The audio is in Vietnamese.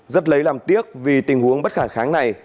rất lấy làm tiếc vì tình huống bất khả kháng này